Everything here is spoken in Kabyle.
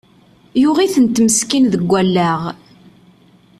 Yuɣ-itent meskin deg allaɣ!